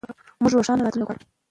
موږ روښانه راتلونکی غواړو.